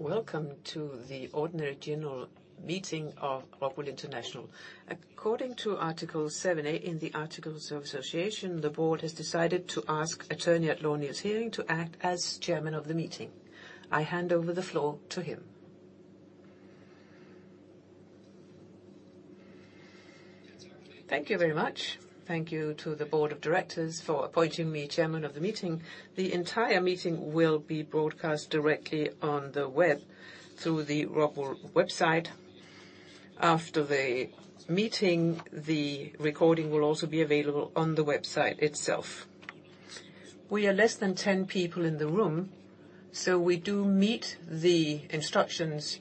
Welcome to the Ordinary General Meeting of Rockwool International. According to Article 7A in the Articles of Association, the Board has decided to ask Attorney at Law Niels Heering to act as Chairman of the meeting. I hand over the floor to him. Thank you very much. Thank you to the Board of Directors for appointing me Chairman of the meeting. The entire meeting will be broadcast directly on the web through the Rockwool website. After the meeting, the recording will also be available on the website itself. We are less than 10 people in the room, so we do meet the instructions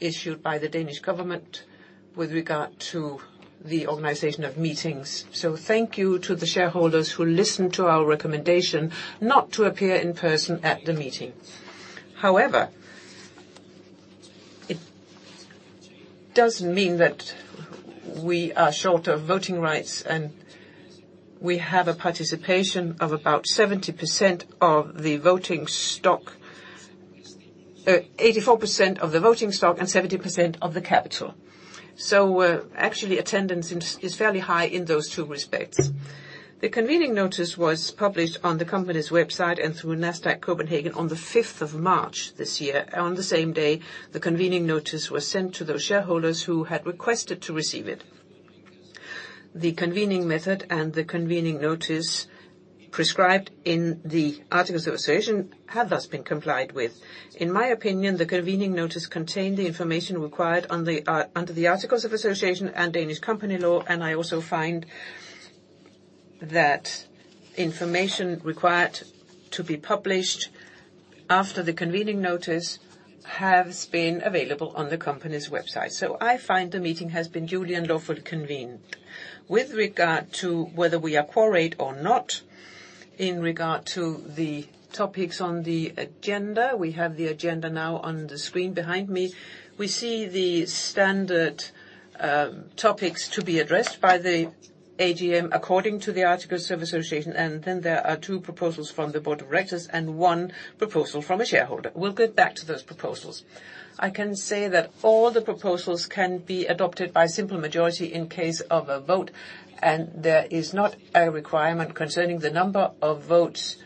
issued by the Danish government with regard to the organization of meetings. So thank you to the shareholders who listened to our recommendation not to appear in person at the meeting. However, it does mean that we are short of voting rights, and we have a participation of about 70% of the voting stock, 84% of the voting stock, and 70% of the capital. So actually, attendance is fairly high in those two respects. The convening notice was published on the company's website and through Nasdaq Copenhagen on the 5th of March this year. On the same day, the convening notice was sent to those shareholders who had requested to receive it. The convening method and the convening notice prescribed in the Articles of Association have thus been complied with. In my opinion, the convening notice contained the information required under the Articles of Association and Danish company law, and I also find that information required to be published after the convening notice has been available on the company's website. So I find the meeting has been duly and lawfully convened. With regard to whether we are quorate or not, in regard to the topics on the agenda, we have the agenda now on the screen behind me. We see the standard topics to be addressed by the AGM according to the Articles of Association, and then there are two proposals from the Board of directors and one proposal from a shareholder. We'll get back to those proposals. I can say that all the proposals can be adopted by simple majority in case of a vote, and there is not a requirement concerning the number of votes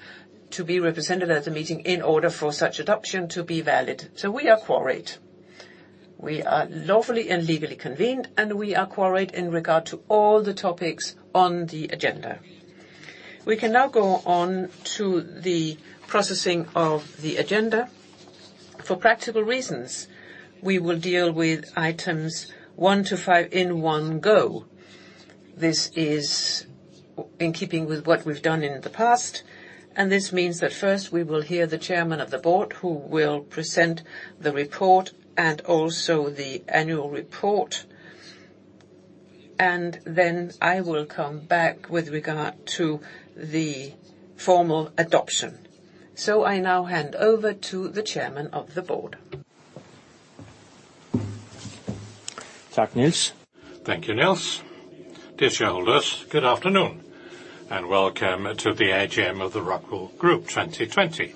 to be represented at the meeting in order for such adoption to be valid. So we are quorate. We are lawfully and legally convened, and we are quorate in regard to all the topics on the agenda. We can now go on to the processing of the agenda. For practical reasons, we will deal with items one to five in one go. This is in keeping with what we've done in the past, and this means that first we will hear the Chairman of the Board who will present the report and also the Annual Report, and then I will come back with regard to the formal adoption. So I now hand over to the Chairman of the Board. Thank you, Niels. Dear shareholders, good afternoon and welcome to the AGM of the Rockwool Group 2020.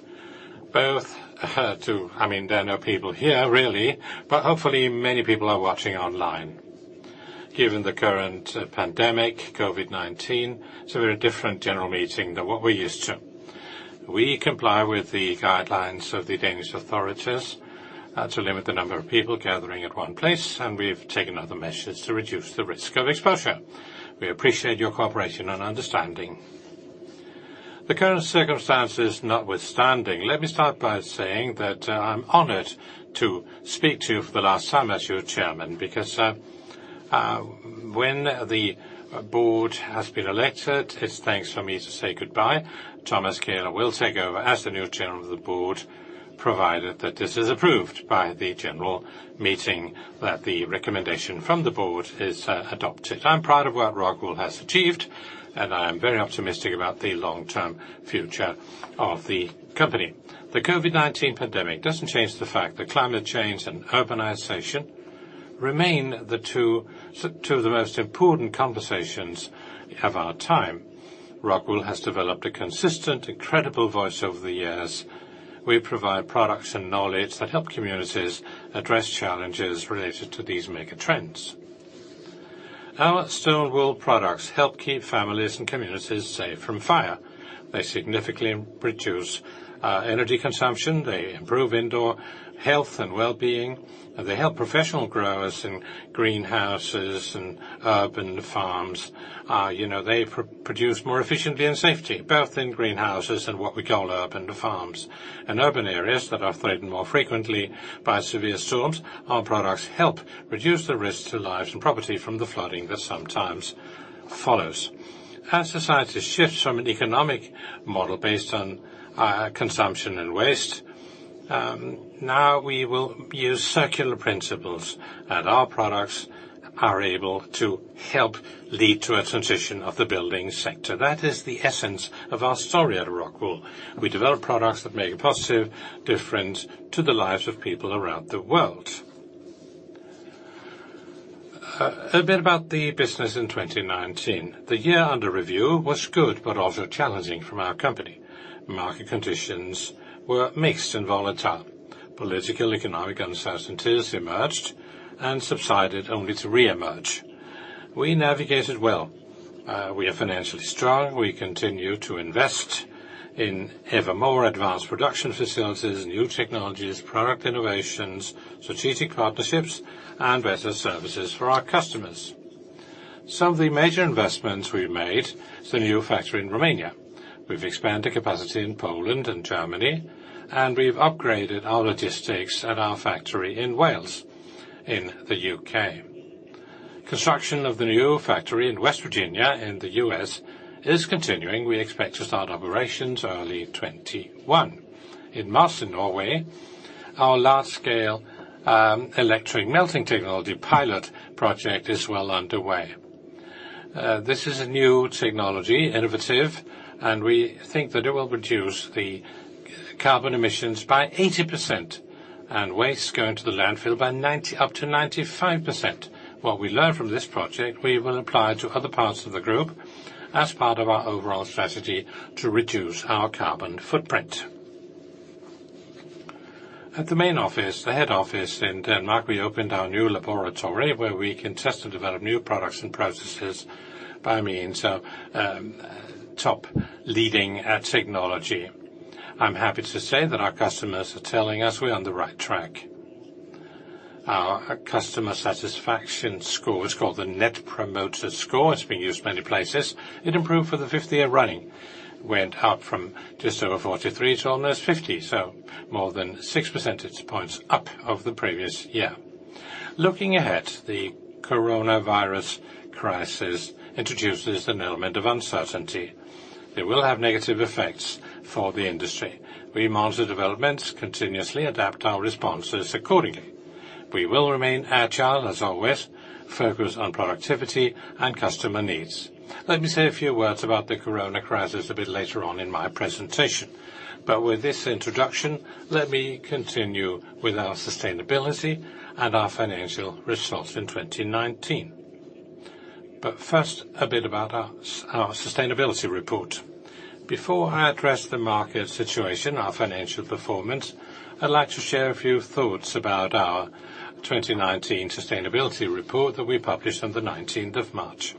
I mean, there are no people here really, but hopefully many people are watching online. Given the current pandemic, COVID-19, it's a very different general meeting than what we're used to. We comply with the guidelines of the Danish authorities to limit the number of people gathering at one place, and we've taken other measures to reduce the risk of exposure. We appreciate your cooperation and understanding. The current circumstances notwithstanding, let me start by saying that I'm honored to speak to you for the last time as your Chairman because when the Board has been elected, it's time for me to say goodbye. Thomas Kähler will take over as the new Chairman of the Board, provided that this is approved by the general meeting, that the recommendation from the Board is adopted. I'm proud of what Rockwool has achieved, and I am very optimistic about the long-term future of the company. The COVID-19 pandemic doesn't change the fact that climate change and urbanization remain the two of the most important conversations of our time. Rockwool has developed a consistent, incredible voice over the years. We provide products and knowledge that help communities address challenges related to these mega trends. Our stone wool products help keep families and communities safe from fire. They significantly reduce energy consumption. They improve indoor health and well-being. They help professional growers in greenhouses and urban farms. They produce more efficiently and safely, both in greenhouses and what we call urban farms. In urban areas that are threatened more frequently by severe storms, our products help reduce the risk to lives and property from the flooding that sometimes follows. As society shifts from an economic model based on consumption and waste, now we will use circular principles, and our products are able to help lead to a transition of the building sector. That is the essence of our story at Rockwool. We develop products that make a positive difference to the lives of people around the world. A bit about the business in 2019. The year under review was good, but also challenging for our company. Market conditions were mixed and volatile. Political, economic uncertainties emerged and subsided only to re-emerge. We navigated well. We are financially strong. We continue to invest in ever more advanced production facilities, new technologies, product innovations, strategic partnerships, and better services for our customers. Some of the major investments we've made are the new factory in Romania. We've expanded capacity in Poland and Germany, and we've upgraded our logistics at our factory in Wales, in the U.K. Construction of the new factory in West Virginia, in the US, is continuing. We expect to start operations early 2021. In Moss in Norway, our large-scale electric melting technology pilot project is well underway. This is a new technology, innovative, and we think that it will reduce the carbon emissions by 80% and waste going to the landfill by up to 95%. What we learn from this project, we will apply to other parts of the group as part of our overall strategy to reduce our carbon footprint. At the main office, the head office in Denmark, we opened our new laboratory where we can test and develop new products and processes by means of top-leading technology. I'm happy to say that our customers are telling us we're on the right track. Our customer satisfaction score is called the Net Promoter Score. It's been used many places. It improved for the fifth year running. Went up from just over 43 to almost 50, so more than 6 percentage points up over the previous year. Looking ahead, the coronavirus crisis introduces an element of uncertainty. It will have negative effects for the industry. We monitor developments, continuously adapt our responses accordingly. We will remain agile as always, focus on productivity and customer needs. Let me say a few words about the corona crisis a bit later on in my presentation, but with this introduction, let me continue with our sustainability and our financial results in 2019. But first, a bit about our Sustainability Report. Before I address the market situation, our financial performance, I'd like to share a few thoughts about our 2019 Sustainability Report that we published on the 19th of March.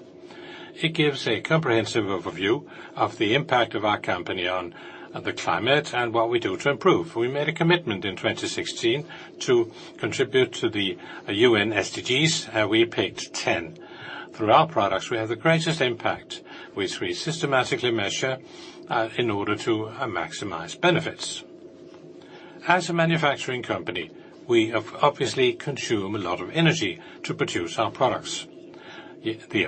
It gives a comprehensive overview of the impact of our company on the climate and what we do to improve. We made a commitment in 2016 to contribute to the UN SDGs. We picked 10. Through our products, we have the greatest impact, which we systematically measure in order to maximize benefits. As a manufacturing company, we obviously consume a lot of energy to produce our products. The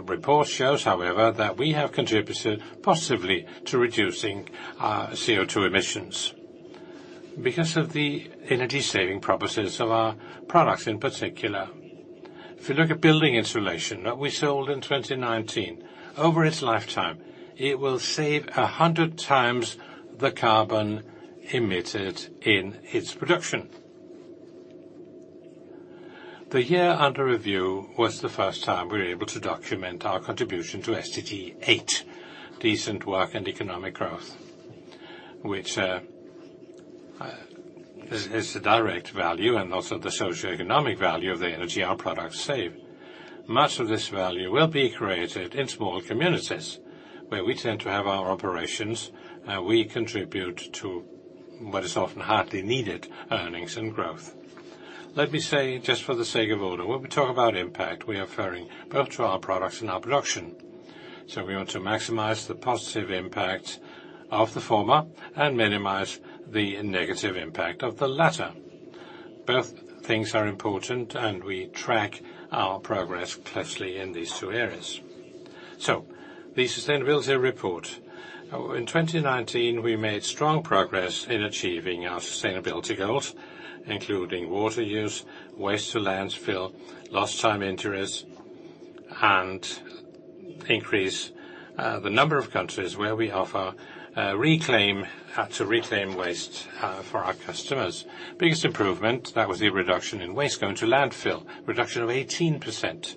report shows, however, that we have contributed positively to reducing our CO2 emissions because of the energy-saving properties of our products in particular. If you look at building insulation that we sold in 2019, over its lifetime, it will save 100 times the carbon emitted in its production. The year under review was the first time we were able to document our contribution to SDG 8, Decent Work and Economic Growth, which is the direct value and also the socioeconomic value of the energy our products save. Much of this value will be created in small communities where we tend to have our operations. We contribute to what is often hardly needed: earnings and growth. Let me say, just for the sake of order, when we talk about impact, we are referring both to our products and our production. So we want to maximize the positive impact of the former and minimize the negative impact of the latter. Both things are important, and we track our progress closely in these two areas. So the sustainability report. In 2019, we made strong progress in achieving our sustainability goals, including water use, waste to landfill, lost time injury, and increase the number of countries where we offer to reclaim waste for our customers. Biggest improvement, that was the reduction in waste going to landfill, a reduction of 18%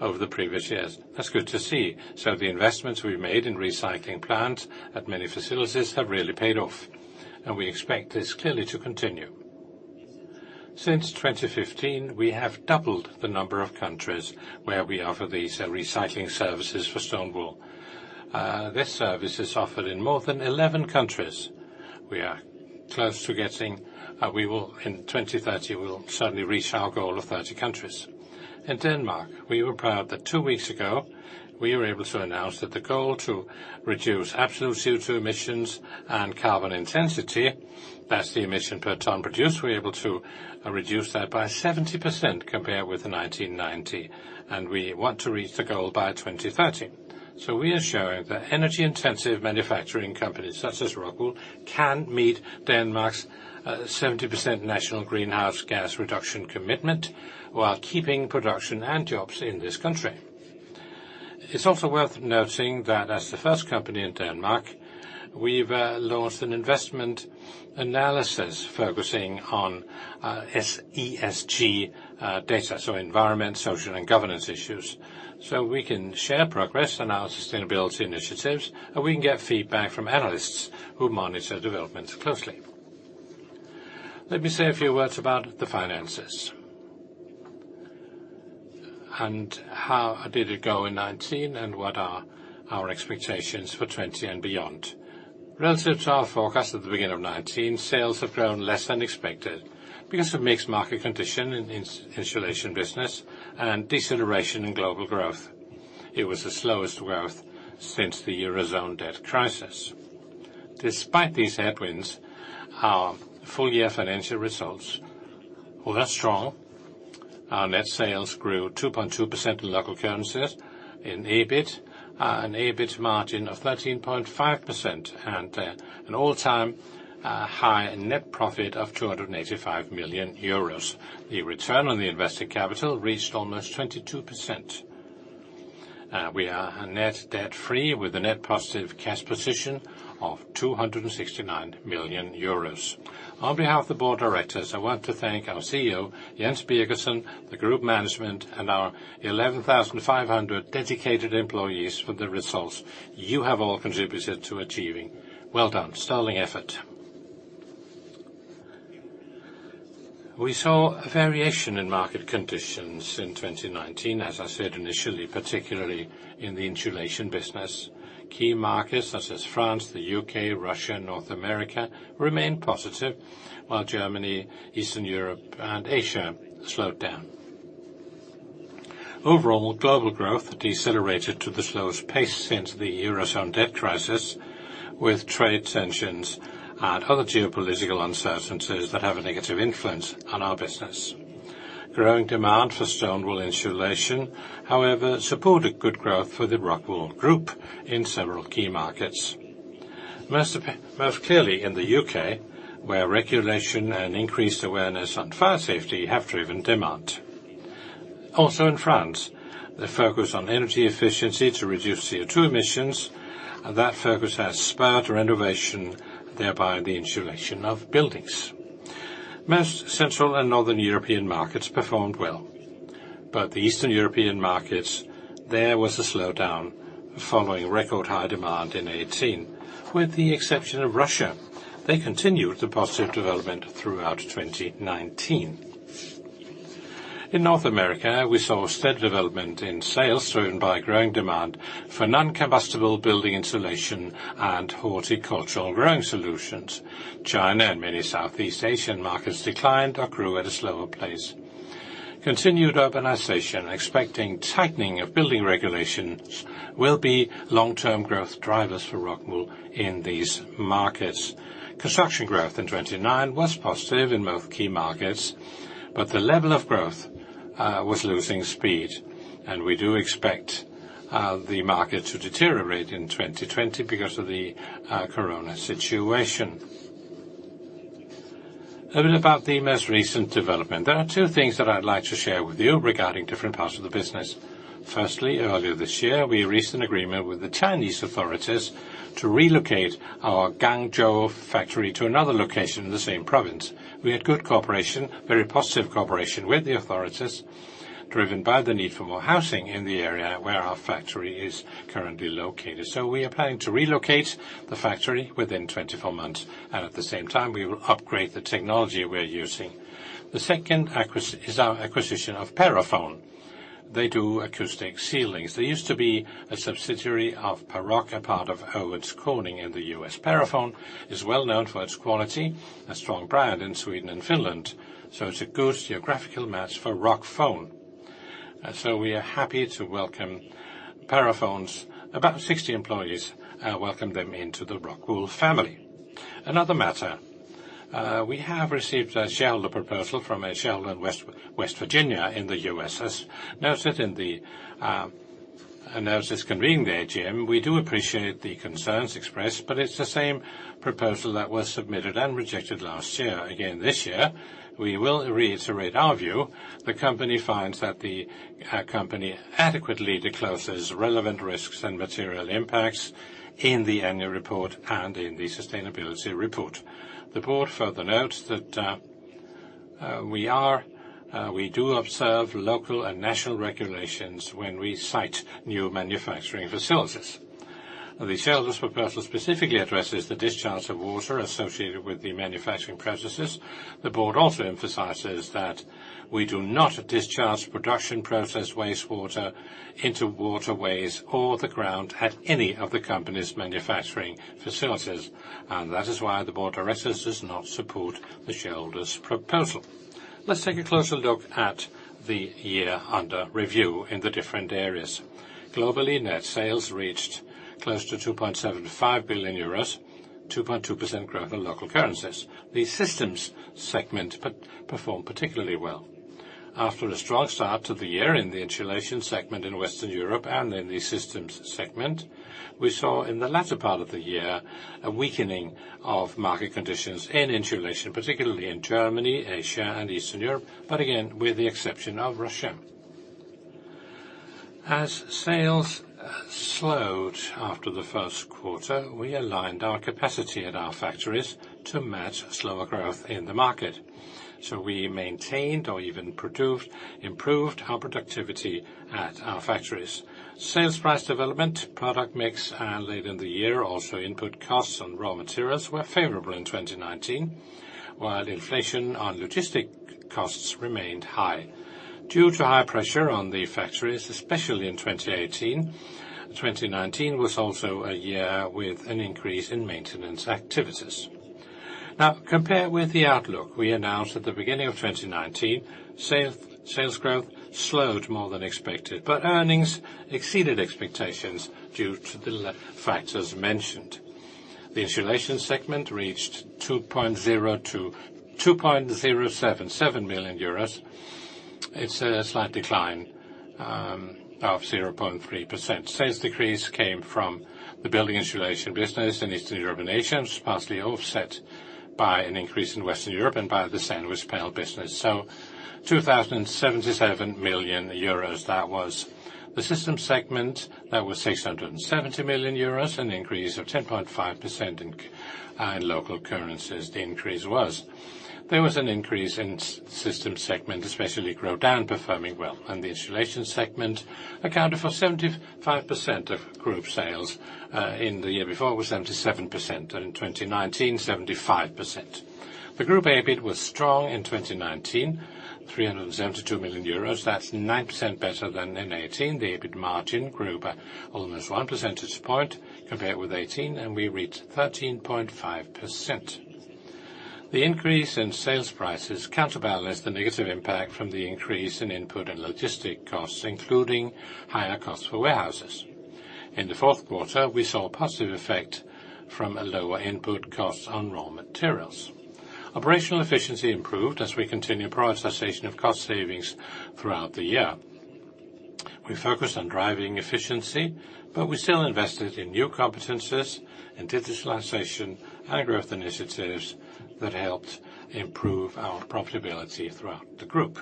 over the previous years. That's good to see. So the investments we've made in recycling plants at many facilities have really paid off, and we expect this clearly to continue. Since 2015, we have doubled the number of countries where we offer these recycling services for stone wool. This service is offered in more than 11 countries. We are close to getting. We will, in 2030, we'll certainly reach our goal of 30 countries. In Denmark, we were proud that two weeks ago, we were able to announce that the goal to reduce absolute CO2 emissions and carbon intensity, that's the emission per ton produced, we were able to reduce that by 70% compared with 1990, and we want to reach the goal by 2030, so we are showing that energy-intensive manufacturing companies such as Rockwool can meet Denmark's 70% national greenhouse gas reduction commitment while keeping production and jobs in this country. It's also worth noting that as the first company in Denmark, we've launched an investment analysis focusing on ESG data, so environment, social, and governance issues, so we can share progress and our sustainability initiatives, and we can get feedback from analysts who monitor developments closely. Let me say a few words about the finances and how did it go in 2019 and what are our expectations for 2020 and beyond. Relative to our forecast at the beginning of 2019, sales have grown less than expected because of mixed market conditions in insulation business and deceleration in global growth. It was the slowest growth since the Eurozone debt crisis. Despite these headwinds, our full-year financial results were strong. Our net sales grew 2.2% in local currencies, in EBIT, an EBIT margin of 13.5%, and an all-time high net profit of 285 million euros. The return on the invested capital reached almost 22%. We are net debt-free with a net positive cash position of 269 million euros. On behalf of the Board of directors, I want to thank our CEO, Jens Birgersson, the group management, and our 11,500 dedicated employees for the results you have all contributed to achieving. Well done. Stellar effort. We saw a variation in market conditions in 2019, as I said initially, particularly in the insulation business. Key markets such as France, the U.K., Russia, and North America remained positive, while Germany, Eastern Europe, and Asia slowed down. Overall, global growth decelerated to the slowest pace since the Eurozone debt crisis, with trade tensions and other geopolitical uncertainties that have a negative influence on our business. Growing demand for stone wool insulation, however, supported good growth for the Rockwool Group in several key markets, most clearly in the U.K., where regulation and increased awareness on fire safety have driven demand. Also in France, the focus on energy efficiency to reduce CO2 emissions, and that focus has spurred renovation, thereby the insulation of buildings. Most central and northern European markets performed well, but the Eastern European markets, there was a slowdown following record-high demand in 2018. With the exception of Russia, they continued the positive development throughout 2019. In North America, we saw steady development in sales driven by growing demand for non-combustible building insulation and horticultural growing solutions. China and many Southeast Asian markets declined or grew at a slower pace. Continued urbanization, expecting tightening of building regulations, will be long-term growth drivers for Rockwool in these markets. Construction growth in 2019 was positive in both key markets, but the level of growth was losing speed, and we do expect the market to deteriorate in 2020 because of the corona situation. A bit about the most recent development. There are two things that I'd like to share with you regarding different parts of the business. Firstly, earlier this year, we reached an agreement with the Chinese authorities to relocate our Guangzhou factory to another location in the same province. We had good cooperation, very positive cooperation with the authorities, driven by the need for more housing in the area where our factory is currently located. So we are planning to relocate the factory within 24 months, and at the same time, we will upgrade the technology we're using. The second is our acquisition of Parafon. They do acoustic ceilings. They used to be a subsidiary of Paroc, a part of Owens Corning in the US. Parafon is well known for its quality, a strong brand in Sweden and Finland, so it's a good geographical match for Rockwool. So we are happy to welcome Parafon's about 60 employees, welcome them into the Rockwool family. Another matter, we have received a shareholder proposal from a shareholder in West Virginia in the US. As noted in the notice convening the AGM, we do appreciate the concerns expressed, but it's the same proposal that was submitted and rejected last year. Again, this year, we will reiterate our view. The company finds that the company adequately discloses relevant risks and material impacts in the annual report and in the sustainability report. The Board further notes that we do observe local and national regulations when we site new manufacturing facilities. The shareholder's proposal specifically addresses the discharge of water associated with the manufacturing processes. The Board also emphasizes that we do not discharge production process wastewater into waterways or the ground at any of the company's manufacturing facilities, and that is why the Board directly does not support the shareholder's proposal. Let's take a closer look at the year under review in the different areas. Globally, net sales reached close to 2.75 billion euros, 2.2% growth in local currencies. The systems segment performed particularly well. After a strong start to the year in the insulation segment in Western Europe and in the systems segment, we saw in the latter part of the year a weakening of market conditions in insulation, particularly in Germany, Asia, and Eastern Europe, but again, with the exception of Russia. As sales slowed after the first quarter, we aligned our capacity at our factories to match slower growth in the market. So we maintained or even improved our productivity at our factories. Sales price development, product mix, and later in the year, also input costs on raw materials were favorable in 2019, while inflation on logistic costs remained high. Due to high pressure on the factories, especially in 2018, 2019 was also a year with an increase in maintenance activities. Now, compared with the outlook, we announced at the beginning of 2019, sales growth slowed more than expected, but earnings exceeded expectations due to the factors mentioned. The insulation segment reached 2.077 million euros. It's a slight decline of 0.3%. Sales decrease came from the building insulation business in Eastern European nations, partially offset by an increase in Western Europe and by the sandwich panel business. So 2,077 million euros that was. The systems segment, that was 670 million euros, an increase of 10.5% in local currencies. There was an increase in systems segment, especially Grodan, performing well. And the insulation segment accounted for 75% of group sales in the year before, was 77%, and in 2019, 75%. The group EBIT was strong in 2019, 372 million euros. That's 9% better than in 2018. The EBIT margin grew by almost 1 percentage point compared with 2018, and we reached 13.5%. The increase in sales prices counterbalanced the negative impact from the increase in input and logistic costs, including higher costs for warehouses. In the fourth quarter, we saw a positive effect from lower input costs on raw materials. Operational efficiency improved as we continue prioritization of cost savings throughout the year. We focused on driving efficiency, but we still invested in new competencies and digitalization and growth initiatives that helped improve our profitability throughout the group.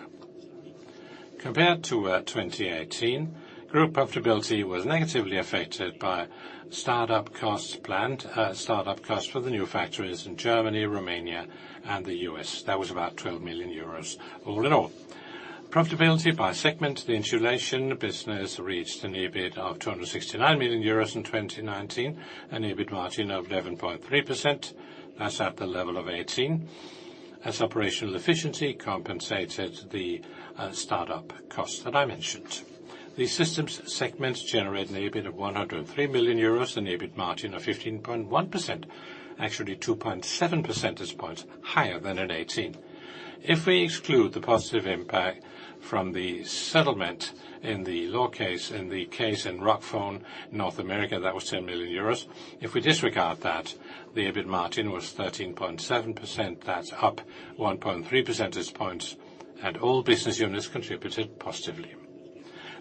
Compared to 2018, group profitability was negatively affected by startup costs planned, startup costs for the new factories in Germany, Romania, and the U.S. That was about 12 million euros all in all. Profitability by segment, the insulation business reached an EBIT of 269 million euros in 2019, an EBIT margin of 11.3%. That's at the level of 2018, as operational efficiency compensated the startup costs that I mentioned. The systems segment generated an EBIT of 103 million euros and EBIT margin of 15.1%, actually 2.7% at this point, higher than in 2018. If we exclude the positive impact from the settlement in the law case, in the case in Rockwool, North America, that was 10 million euros. If we disregard that, the EBIT margin was 13.7%. That's up 1.3% at this point, and all business units contributed positively.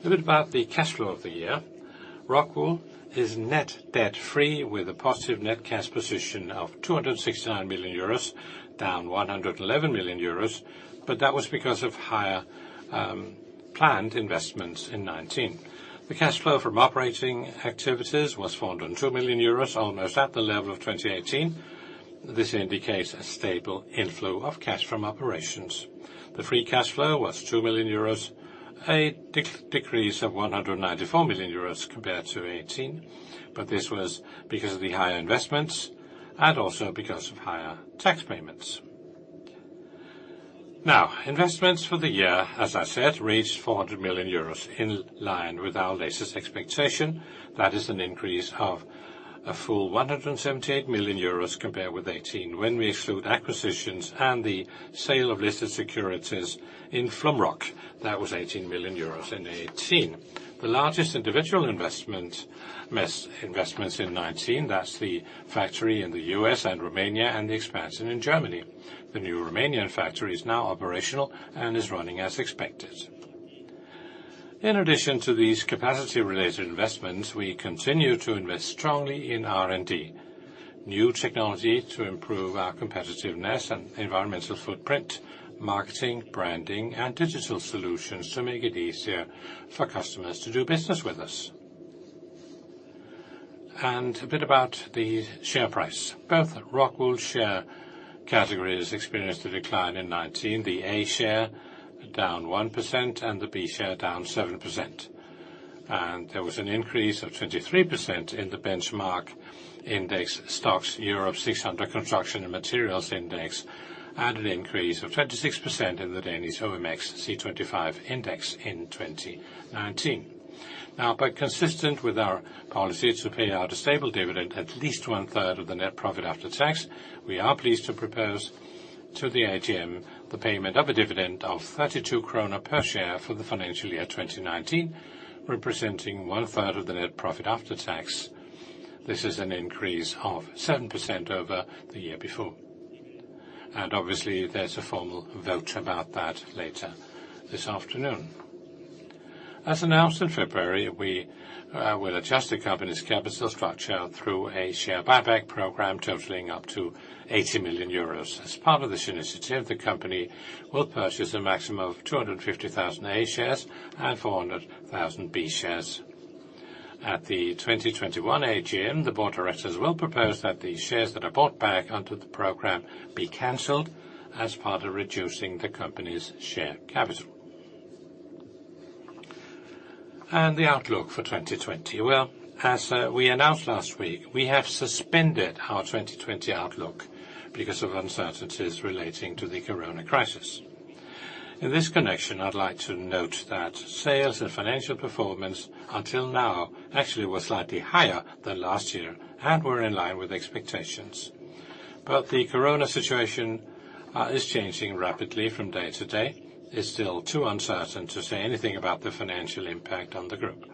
A bit about the cash flow of the year. Rockwool is net debt-free with a positive net cash position of 269 million euros, down 111 million euros, but that was because of higher planned investments in 2019. The cash flow from operating activities was 402 million euros, almost at the level of 2018. This indicates a stable inflow of cash from operations. The free cash flow was 2 million euros, a decrease of 194 million euros compared to 2018, but this was because of the higher investments and also because of higher tax payments. Now, investments for the year, as I said, reached 400 million euros in line with our latest expectation. That is an increase of a full 178 million euros compared with 2018. When we exclude acquisitions and the sale of listed securities in Flumroc, that was 18 million euros in 2018. The largest individual investment, most investments in 2019, that's the factory in the U.S. and Romania and the expansion in Germany. The new Romanian factory is now operational and is running as expected. In addition to these capacity-related investments, we continue to invest strongly in R&D, new technology to improve our competitiveness and environmental footprint, marketing, branding, and digital solutions to make it easier for customers to do business with us. A bit about the share price. Both Rockwool's share categories experienced a decline in 2019. The A share down 1% and the B share down 7%. There was an increase of 23% in the benchmark index, STOXX Europe 600 Construction & Materials index, and an increase of 26% in the Danish OMX C25 index in 2019. Now, but consistent with our policy to pay out a stable dividend, at least 1/3 of the net profit after tax, we are pleased to propose to the AGM the payment of a dividend of 32 kroner per share for the financial year 2019, representing 1/3 of the net profit after tax. This is an increase of 7% over the year before. Obviously, there's a formal vote about that later this afternoon. As announced in February, we will adjust the company's capital structure through a share buyback program totaling up to 80 million euros. As part of this initiative, the company will purchase a maximum of 250,000 A shares and 400,000 B shares. At the 2021 AGM, the Board of Directors will propose that the shares that are bought back under the program be canceled as part of reducing the company's share capital, and the outlook for 2020 well, as we announced last week, we have suspended our 2020 outlook because of uncertainties relating to the corona crisis. In this connection, I'd like to note that sales and financial performance until now actually were slightly higher than last year and were in line with expectations. But the corona situation is changing rapidly from day to day. It's still too uncertain to say anything about the financial impact on the group.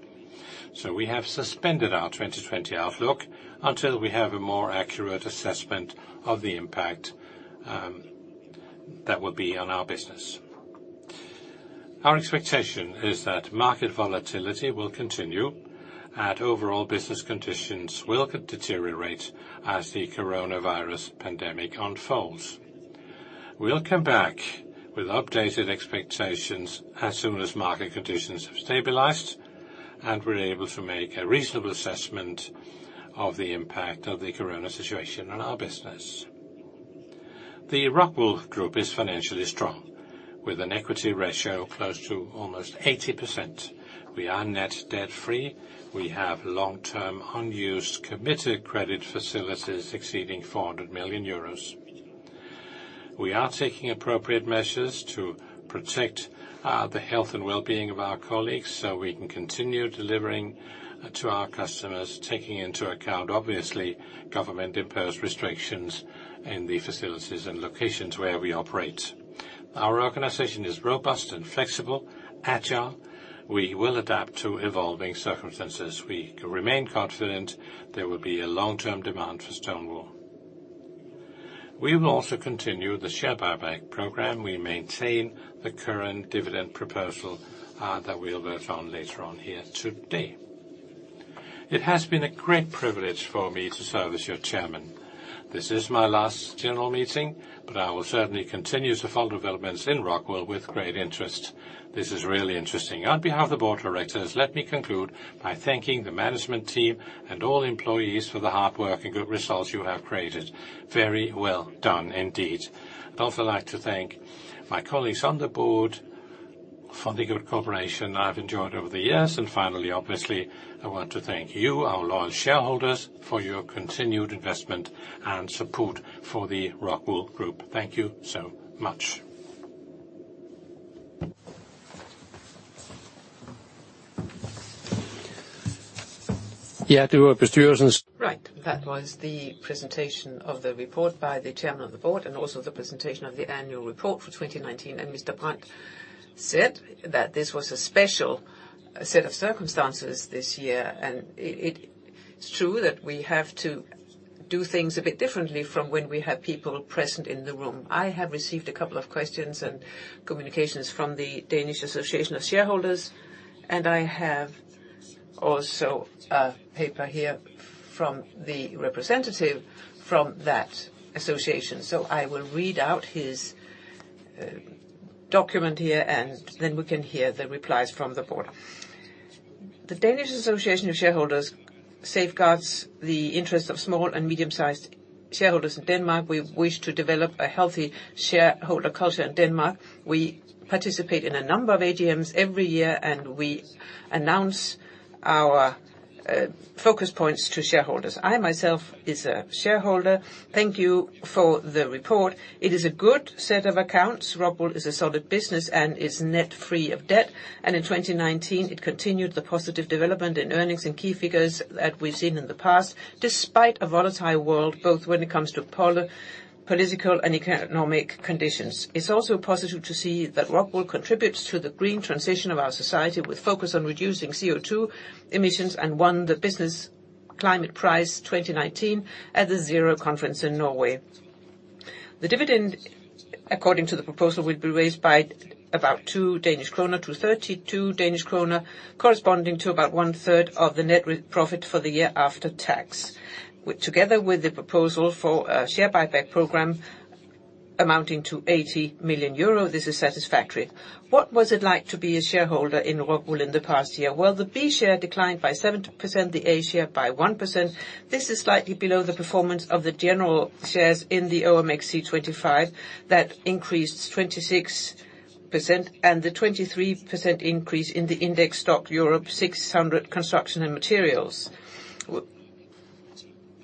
We have suspended our 2020 outlook until we have a more accurate assessment of the impact that will be on our business. Our expectation is that market volatility will continue and overall business conditions will deteriorate as the coronavirus pandemic unfolds. We'll come back with updated expectations as soon as market conditions have stabilized and we're able to make a reasonable assessment of the impact of the corona situation on our business. The Rockwool Group is financially strong with an equity ratio close to almost 80%. We are net debt-free. We have long-term unused committed credit facilities exceeding 400 million euros. We are taking appropriate measures to protect the health and well-being of our colleagues so we can continue delivering to our customers, taking into account, obviously, government-imposed restrictions in the facilities and locations where we operate. Our organization is robust and flexible, agile. We will adapt to evolving circumstances. We can remain confident there will be a long-term demand for stone wool. We will also continue the share buyback program. We maintain the current dividend proposal that we'll vote on later on here today. It has been a great privilege for me to serve as your Chairman. This is my last general meeting, but I will certainly continue to follow developments in Rockwool with great interest. This is really interesting. On behalf of the Board of Directors, let me conclude by thanking the management team and all employees for the hard work and good results you have created. Very well done indeed. I'd also like to thank my colleagues on the Board for the good cooperation I've enjoyed over the years. And finally, obviously, I want to thank you, our loyal shareholders, for your continued investment and support for the Rockwool Group. Thank you so much. Right. That was the presentation of the report by the Chairman of the Board and also the presentation of the annual report for 2019, and Mr. Brandt said that this was a special set of circumstances this year, and it's true that we have to do things a bit differently from when we have people present in the room. I have received a couple of questions and communications from the Danish Association of Shareholders, and I have also a paper here from the representative from that association, so I will read out his document here, and then we can hear the replies from the Board. The Danish Association of Shareholders safeguards the interests of small and medium-sized shareholders in Denmark. We wish to develop a healthy shareholder culture in Denmark. We participate in a number of AGMs every year, and we announce our focus points to shareholders. I, myself, is a shareholder. Thank you for the report. It is a good set of accounts. Rockwool is a solid business and is net debt-free. In 2019, it continued the positive development in earnings and key figures that we've seen in the past, despite a volatile world, both when it comes to political and economic conditions. It's also positive to see that Rockwool contributes to the green transition of our society with focus on reducing CO2 emissions and won the Business Climate Prize 2019 at the Zero Conference in Norway. The dividend, according to the proposal, will be raised by about 2 Danish kroner to 32 Danish kroner, corresponding to about 1/3 of the net profit for the year after tax. Together with the proposal for a share buyback program amounting to 80 million euro, this is satisfactory. What was it like to be a shareholder in Rockwool in the past year? Well, the B Share declined by 7%, the A Share by 1%. This is slightly below the performance of the general shares in the OMX C25 that increased 26% and the 23% increase in the STOXX Europe 600 Construction & Materials.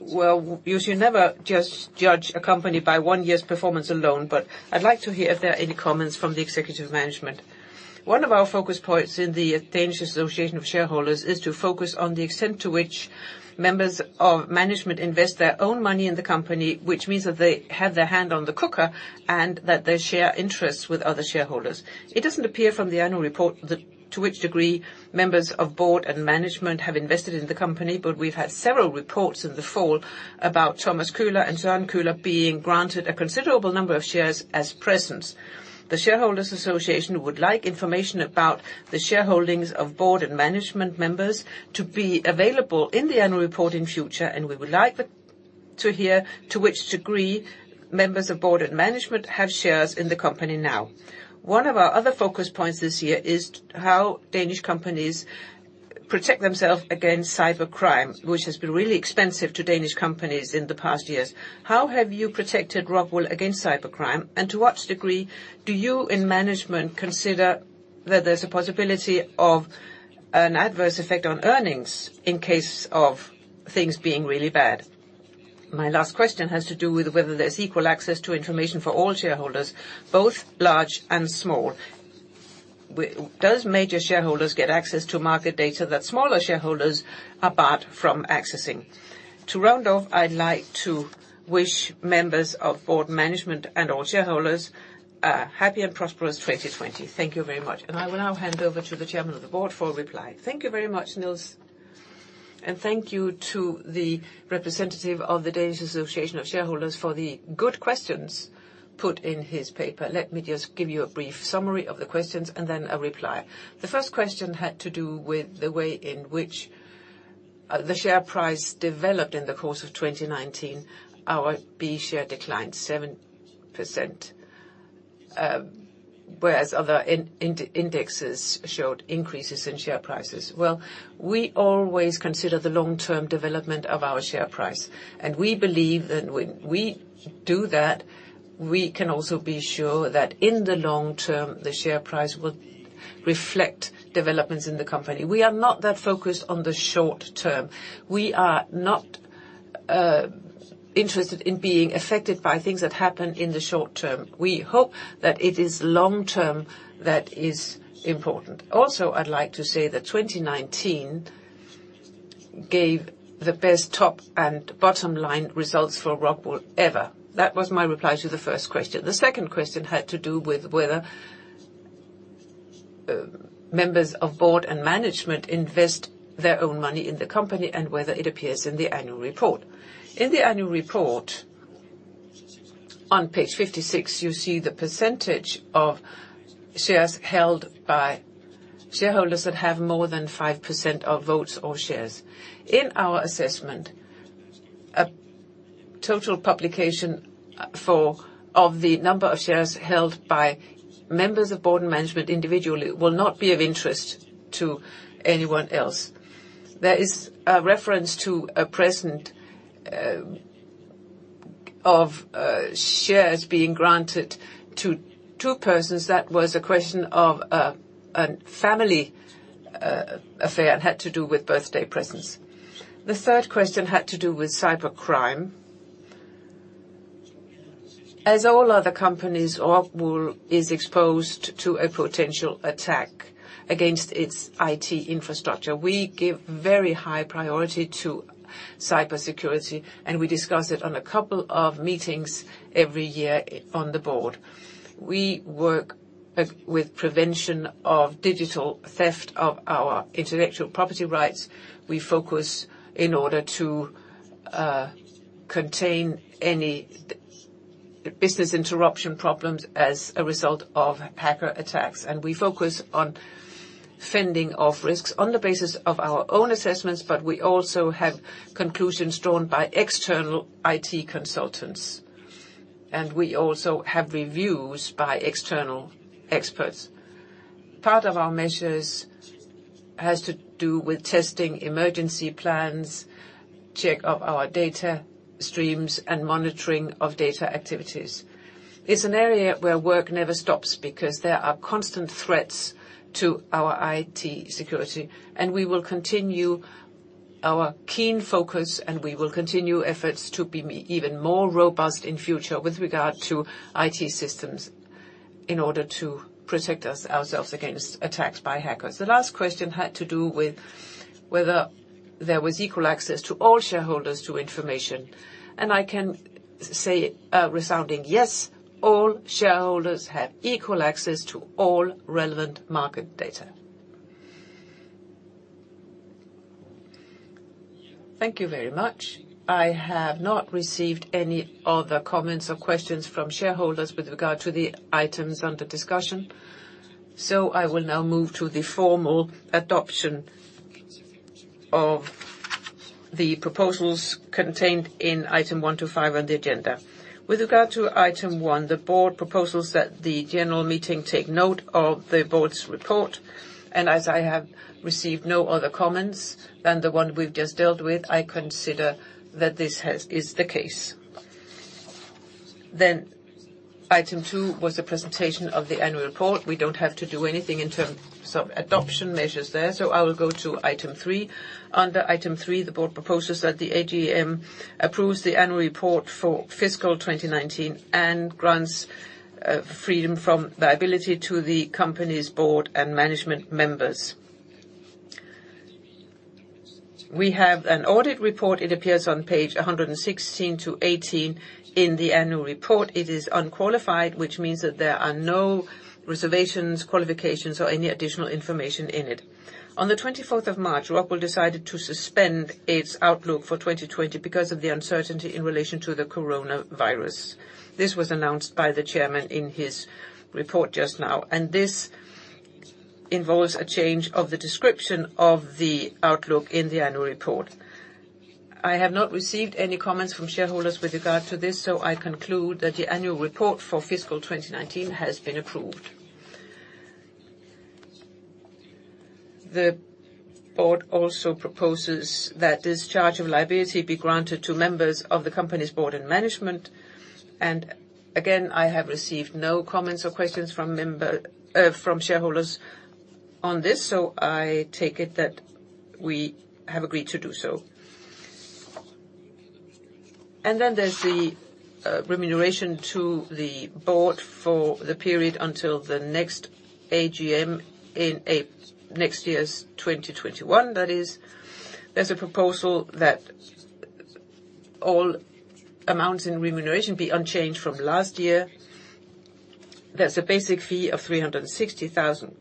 Well, you should never just judge a company by one year's performance alone, but I'd like to hear if there are any comments from the executive management. One of our focus points in the Danish Association of Shareholders is to focus on the extent to which members of management invest their own money in the company, which means that they have their hand on the cooker and that they share interests with other shareholders. It doesn't appear from the annual report to which degree members of the Board and management have invested in the company, but we've had several reports in the fall about Thomas Kähler and Søren Kähler being granted a considerable number of shares as presents. The shareholders' association would like information about the shareholdings of Board and management members to be available in the annual reporting future, and we would like to hear to which degree members of the Board and management have shares in the company now. One of our other focus points this year is how Danish companies protect themselves against cybercrime, which has been really expensive to Danish companies in the past years. How have you protected Rockwool against cybercrime? And to what degree do you in management consider that there's a possibility of an adverse effect on earnings in case of things being really bad? My last question has to do with whether there's equal access to information for all shareholders, both large and small. Does major shareholders get access to market data that smaller shareholders are barred from accessing? To round off, I'd like to wish members of Board management and all shareholders a happy and prosperous 2020. Thank you very much. And I will now hand over to the Chairman of the Board for a reply. Thank you very much, Niels. And thank you to the representative of the Danish Association of Shareholders for the good questions put in his paper. Let me just give you a brief summary of the questions and then a reply. The first question had to do with the way in which the share price developed in the course of 2019. Our B share declined 7%, whereas other indexes showed increases in share prices. We always consider the long-term development of our share price. We believe that when we do that, we can also be sure that in the long term, the share price will reflect developments in the company. We are not that focused on the short term. We are not interested in being affected by things that happen in the short term. We hope that it is long-term that is important. Also, I'd like to say that 2019 gave the best top and bottom line results for Rockwool ever. That was my reply to the first question. The second question had to do with whether members of the Board and management invest their own money in the company and whether it appears in the annual report. In the annual report on page 56, you see the percentage of shares held by shareholders that have more than 5% of votes or shares. In our assessment, a total publication of the number of shares held by members of Board and management individually will not be of interest to anyone else. There is a reference to a present of shares being granted to two persons. That was a question of a family affair and had to do with birthday presents. The third question had to do with cybercrime. As all other companies, Rockwool is exposed to a potential attack against its IT infrastructure. We give very high priority to cybersecurity, and we discuss it on a couple of meetings every year on the Board. We work with prevention of digital theft of our intellectual property rights. We focus in order to contain any business interruption problems as a result of hacker attacks. We focus on fending off risks on the basis of our own assessments, but we also have conclusions drawn by external IT consultants. We also have reviews by external experts. Part of our measures has to do with testing emergency plans, check of our data streams, and monitoring of data activities. It's an area where work never stops because there are constant threats to our IT security. We will continue our keen focus, and we will continue efforts to be even more robust in future with regard to IT systems in order to protect ourselves against attacks by hackers. The last question had to do with whether there was equal access to all shareholders to information. I can say a resounding yes. All shareholders have equal access to all relevant market data. Thank you very much. I have not received any other comments or questions from shareholders with regard to the items under discussion. So I will now move to the formal adoption of the proposals contained in item one to five on the agenda. With regard to item one, the Board proposes that the general meeting take note of the Board's report. And as I have received no other comments than the one we've just dealt with, I consider that this is the case. Then item two was the presentation of the annual report. We don't have to do anything in terms of adoption measures there. So I will go to item three. Under item three, the Board proposes that the AGM approves the annual report for fiscal 2019 and grants freedom from liability to the company's Board and management members. We have an audit report. It appears on page 116 to 118 in the annual report. It is unqualified, which means that there are no reservations, qualifications, or any additional information in it. On the 24th of March, Rockwool decided to suspend its outlook for 2020 because of the uncertainty in relation to the coronavirus. This was announced by the Chairman in his report just now, and this involves a change of the description of the outlook in the annual report. I have not received any comments from shareholders with regard to this, so I conclude that the annual report for fiscal 2019 has been approved. The Board also proposes that this discharge of liability be granted to members of the company's Board and management, and again, I have received no comments or questions from shareholders on this, so I take it that we have agreed to do so. And then there's the remuneration to the Board for the period until the next AGM in next year's 2021. That is, there's a proposal that all amounts in remuneration be unchanged from last year. There's a basic fee of EUR 360,000,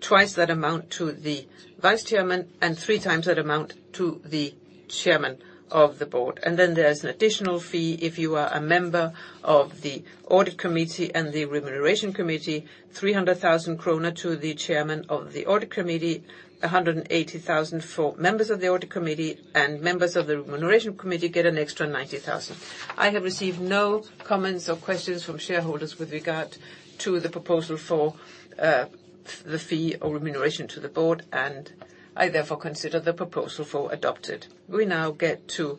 twice that amount to the Vice Chairman and three times that amount to the Chairman of the Board. And then there's an additional fee if you are a member of the audit committee and the remuneration committee, EUR 300,000 to the Chairman of the audit committee, 180,000 for members of the audit committee, and members of the remuneration committee get an extra 90,000. I have received no comments or questions from shareholders with regard to the proposal for the fee or remuneration to the Board, and I therefore consider the proposal adopted. We now get to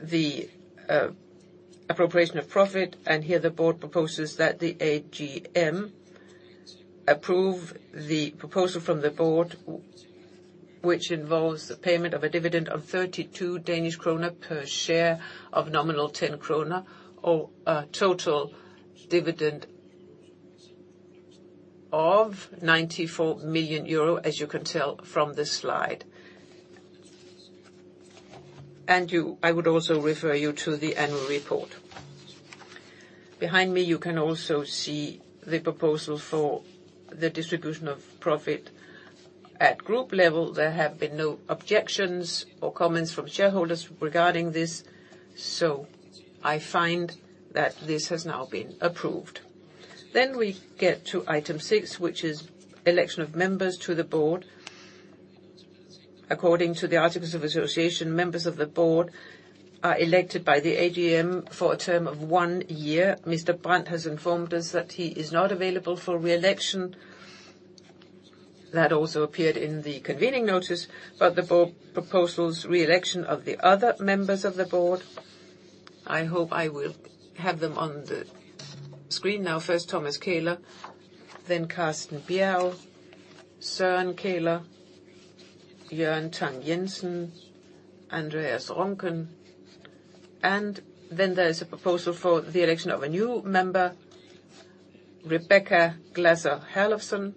the appropriation of profit, and here the Board proposes that the AGM approve the proposal from the Board, which involves the payment of a dividend of 32 Danish krone per share of nominal 10 krone or a total dividend of DKK 94 million, as you can tell from this slide. And I would also refer you to the annual report. Behind me, you can also see the proposal for the distribution of profit at group level. There have been no objections or comments from shareholders regarding this, so I find that this has now been approved. Then we get to item six, which is election of members to the Board. According to the Articles of Association, members of the Board are elected by the AGM for a term of one year. Mr. Brandt has informed us that he is not available for re-election. That also appeared in the convening notice, but the Board proposals re-election of the other members of the Board. I hope I will have them on the screen now. First, Thomas Kähler, then Carsten Bjerg, Søren Kähler, Jørn Tang Jensen, Andreas Ronken. And then there is a proposal for the election of a new member, Rebekka Glasser Herlofsen.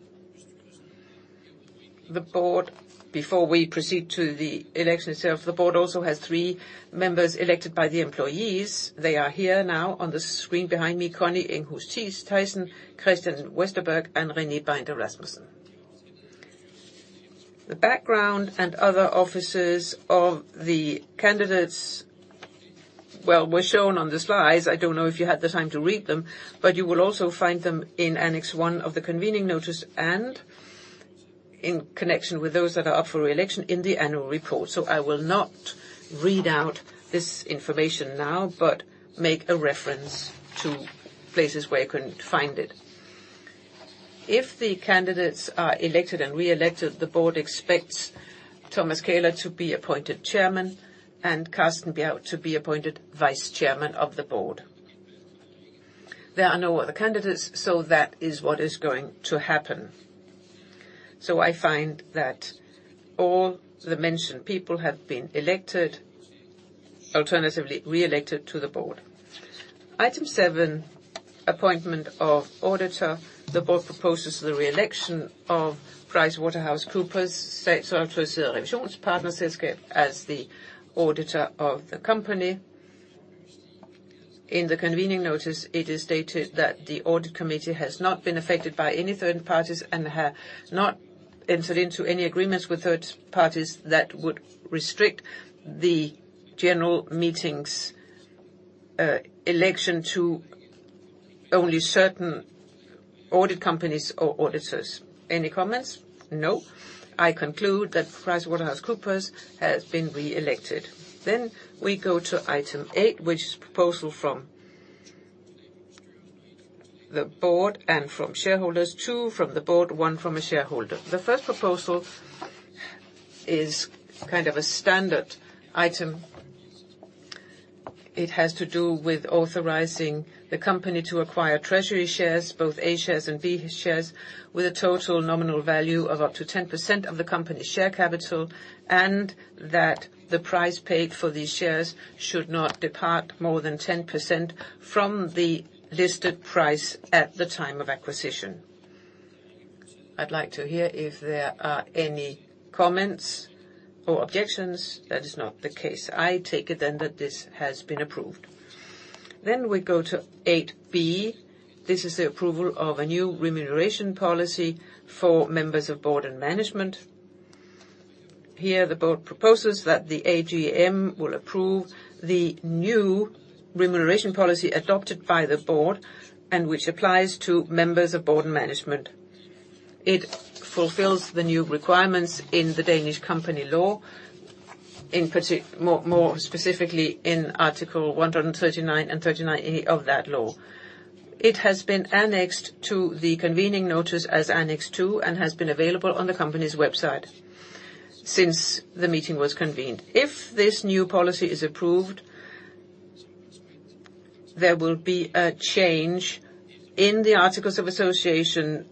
The Board, before we proceed to the election itself, the Board also has three members elected by the employees. They are here now on the screen behind me: Connie Enghus Theisen, Christian Westerberg, and René Bindner Rasmussen. The background and other offices of the candidates, well, were shown on the slides. I don't know if you had the time to read them, but you will also find them in annex one of the convening notice and in connection with those that are up for re-election in the annual report. I will not read out this information now, but make a reference to places where you can find it. If the candidates are elected and re-elected, the Board expects Thomas Kähler to be appointed Chairman and Carsten Bjerg to be appointed Vice Chairman of the Board. There are no other candidates, so that is what is going to happen. I find that all the mentioned people have been elected, alternatively re-elected to the Board. Item seven, appointment of auditor. The Board proposes the re-election of PricewaterhouseCoopers as the auditor of the company. In the convening notice, it is stated that the audit committee has not been affected by any third parties and has not entered into any agreements with third parties that would restrict the general meeting's election to only certain audit companies or auditors. Any comments? No. I conclude that PricewaterhouseCoopers has been re-elected. Then we go to item eight, which is a proposal from the Board and from shareholders, two from the Board, one from a shareholder. The first proposal is kind of a standard item. It has to do with authorizing the company to acquire treasury shares, both A shares and B shares, with a total nominal value of up to 10% of the company's share capital and that the price paid for these shares should not depart more than 10% from the listed price at the time of acquisition. I'd like to hear if there are any comments or objections. That is not the case. I take it then that this has been approved. Then we go to 8B. This is the approval of a new remuneration policy for members of Board and management. Here, the Board proposes that the AGM will approve the new remuneration policy adopted by the Board and which applies to members of the Board and management. It fulfills the new requirements in the Danish company law, more specifically in Article 139 and 139a of that law. It has been annexed to the convening notice as annex two and has been available on the company's website since the meeting was convened. If this new policy is approved, there will be a change in the Articles of Association.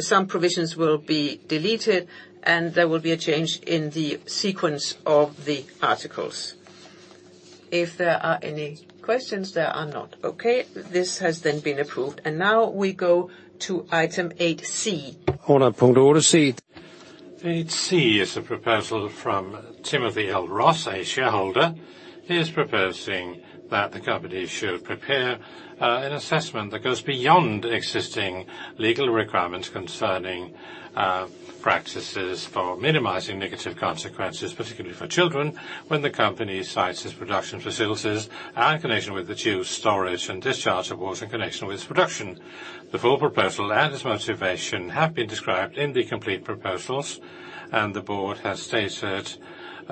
Some provisions will be deleted, and there will be a change in the sequence of the articles. If there are any questions, there are not. Okay. This has then been approved. And now we go to item 8C. Under punkt 8C. 8C is a proposal from Timothy L. Ross, a shareholder. He is proposing that the company should prepare an assessment that goes beyond existing legal requirements concerning practices for minimizing negative consequences, particularly for children, when the company sites its production facilities and connection with the use, storage and discharge of water in connection with its production. The full proposal and its motivation have been described in the complete proposals, and the Board has stated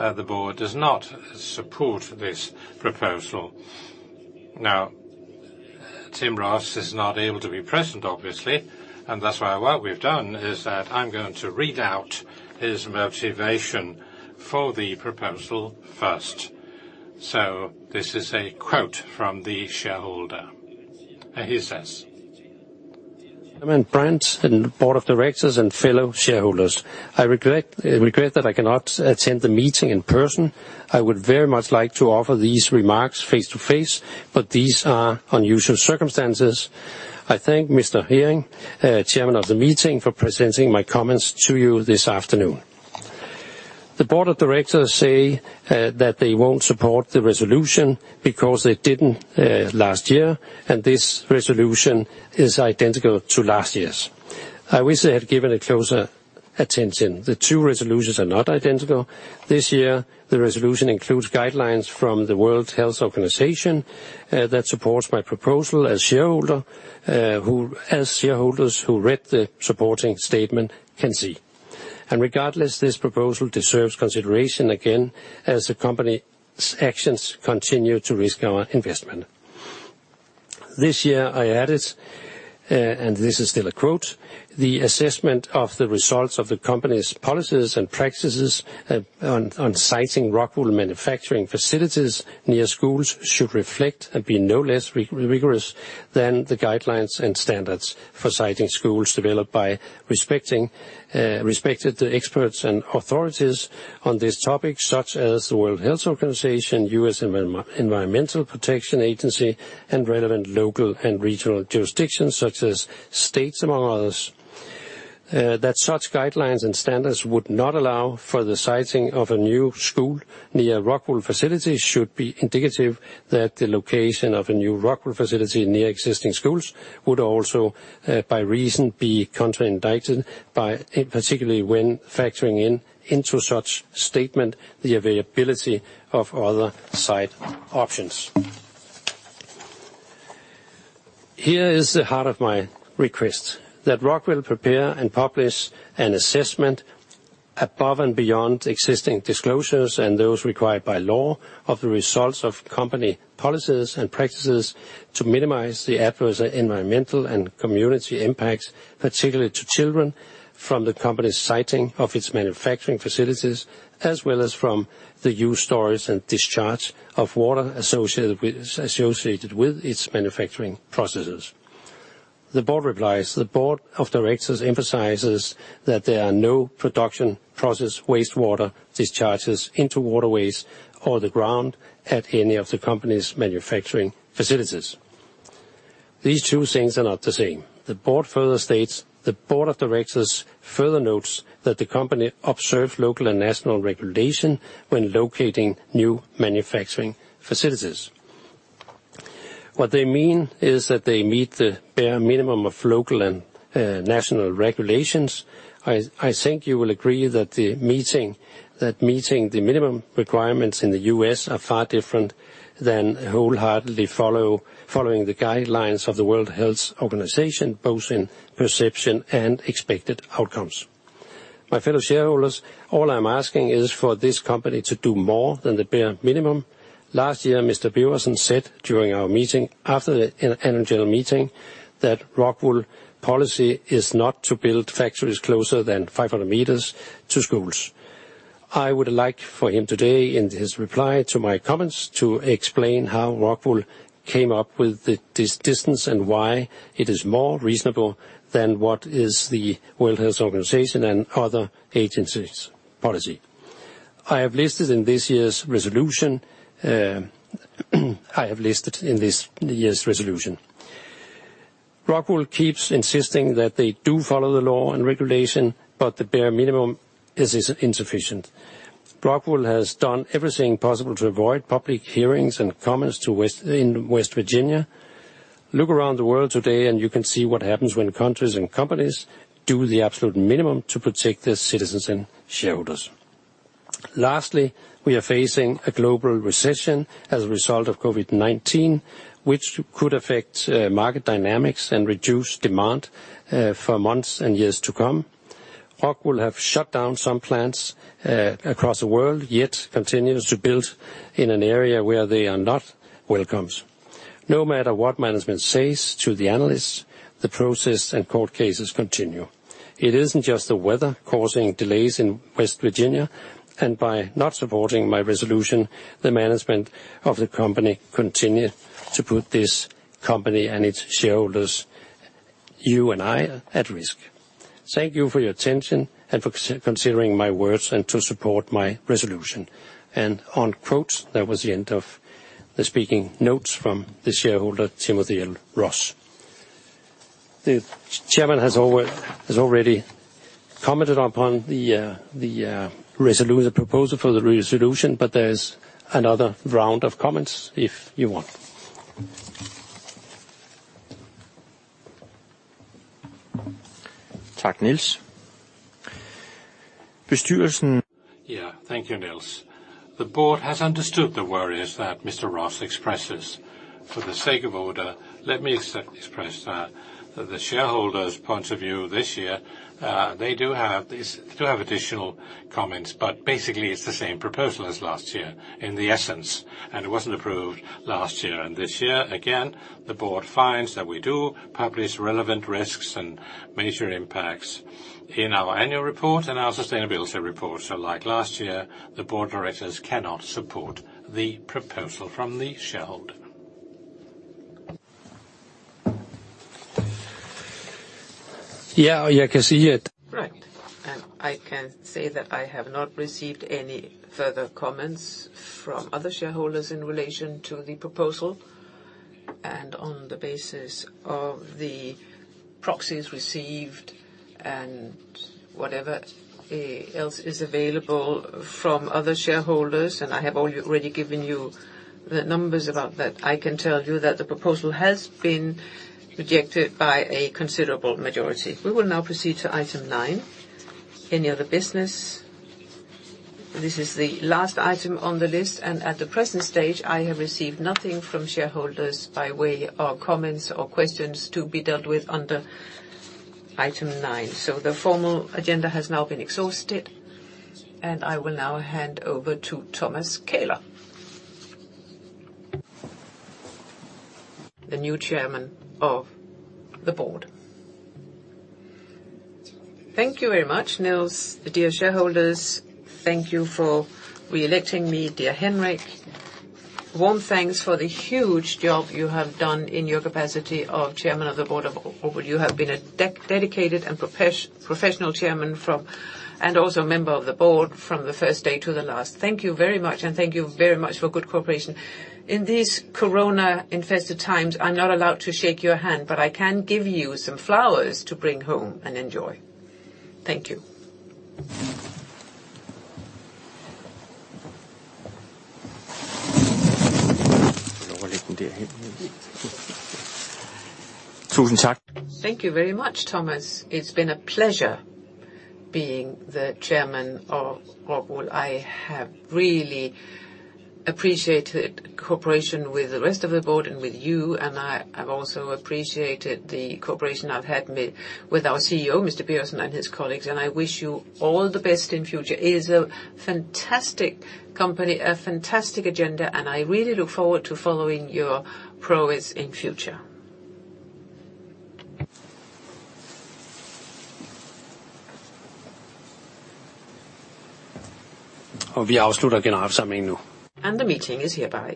the Board does not support this proposal. Now, Tim Ross is not able to be present, obviously, and that's why what we've done is that I'm going to read out his motivation for the proposal first. So this is a quote from the shareholder. He says. Jens Birgersson and Board of directors and fellow shareholders. I regret that I cannot attend the meeting in person. I would very much like to offer these remarks face to face, but these are unusual circumstances. I thank Mr. Heering, Chairman of the meeting, for presenting my comments to you this afternoon. The Board of directors say that they won't support the resolution because they didn't last year, and this resolution is identical to last year's. I wish they had given it closer attention. The two resolutions are not identical. This year, the resolution includes guidelines from the World Health Organization that supports my proposal, as shareholders who read the supporting statement can see. Regardless, this proposal deserves consideration again as the company's actions continue to risk our investment. This year, I added, and this is still a quote, the assessment of the results of the company's policies and practices on siting Rockwool manufacturing facilities near schools should reflect and be no less rigorous than the guidelines and standards for siting schools developed by respected the experts and authorities on this topic, such as the World Health Organization, U.S. Environmental Protection Agency, and relevant local and regional jurisdictions, such as states, among others. That such guidelines and standards would not allow for the siting of a new school near Rockwool facilities should be indicative that the location of a new Rockwool facility near existing schools would also, by reason, be contraindicated, particularly when factoring into such statement the availability of other site options. Here is the heart of my request: that Rockwool prepare and publish an assessment above and beyond existing disclosures and those required by law of the results of company policies and practices to minimize the adverse environmental and community impacts, particularly to children, from the company's siting of its manufacturing facilities, as well as from the use, storage, and discharge of water associated with its manufacturing processes. The Board replies. The Board of Directors emphasizes that there are no production process wastewater discharges into waterways or the ground at any of the company's manufacturing facilities. These two things are not the same. The Board further states. The Board of Directors further notes that the company observes local and national regulations when locating new manufacturing facilities. What they mean is that they meet the bare minimum of local and national regulations. I think you will agree that meeting the minimum requirements in the U.S. are far different than wholeheartedly following the guidelines of the World Health Organization, both in perception and expected outcomes. My fellow shareholders, all I'm asking is for this company to do more than the bare minimum. Last year, Mr. Birgersson said during our meeting, after the annual general meeting, that Rockwool policy is not to build factories closer than 500 m to schools. I would like for him today, in his reply to my comments, to explain how Rockwool came up with this distance and why it is more reasonable than what is the World Health Organization and other agencies' policy. I have listed in this year's resolution. Rockwool keeps insisting that they do follow the law and regulation, but the bare minimum is insufficient. Rockwool has done everything possible to avoid public hearings and comments in West Virginia. Look around the world today, and you can see what happens when countries and companies do the absolute minimum to protect their citizens and shareholders. Lastly, we are facing a global recession as a result of COVID-19, which could affect market dynamics and reduce demand for months and years to come. Rockwool have shut down some plants across the world, yet continues to build in an area where they are not welcomed. No matter what management says to the analysts, the process and court cases continue. It isn't just the weather causing delays in West Virginia, and by not supporting my resolution, the management of the company continued to put this company and its shareholders, you and I, at risk. Thank you for your attention and for considering my words and to support my resolution. Unquote, that was the end of the speaking notes from the shareholder, Timothy L. Ross. The Chairman has already commented upon the proposal for the resolution, but there is another round of comments if you want. Tak, Niels. Bestyrelsen. Yeah, thank you, Niels. The Board has understood the worries that Mr. Ross expresses. For the sake of order, let me express that the shareholders' point of view this year, they do have additional comments, but basically, it's the same proposal as last year in the essence, and it wasn't approved last year. This year, again, the Board finds that we do publish relevant risks and major impacts in our annual report and our sustainability report. So, like last year, the Board of directors cannot support the proposal from the shareholder. Right. I can say that I have not received any further comments from other shareholders in relation to the proposal. On the basis of the proxies received and whatever else is available from other shareholders, and I have already given you the numbers about that, I can tell you that the proposal has been rejected by a considerable majority. We will now proceed to Item 9. Any other business? This is the last item on the list, and at the present stage, I have received nothing from shareholders by way of comments or questions to be dealt with under item nine. The formal agenda has now been exhausted, and I will now hand over to Thomas Kähler, the new Chairman of the Board. Thank you very much, Niels. Dear shareholders, thank you for re-electing me, dear Henrik. Warm thanks for the huge job you have done in your capacity of Chairman of the Board of. You have been a dedicated and professional Chairman and also a member of the Board from the first day to the last. Thank you very much, and thank you very much for good cooperation. In these corona-infested times, I'm not allowed to shake your hand, but I can give you some flowers to bring home and enjoy. Thank you. Tusind tak. Thank you very much, Thomas. It's been a pleasure being the Chairman of Rockwool. I have really appreciated cooperation with the rest of the Board and with you, and I have also appreciated the cooperation I've had with our CEO, Mr. Birgersson, and his colleagues, and I wish you all the best in future. It is a fantastic company, a fantastic agenda, and I really look forward to following your prowess in future. Og vi afslutter generalforsamlingen nu. And the meeting is hereby.